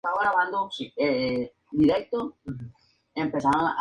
¿vivirá él?